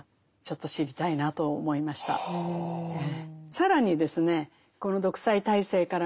更にですね